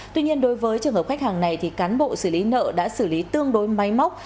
tuy nhiên đối với trường hợp khách hàng này cán bộ xử lý nợ đã xử lý tương đối máy móc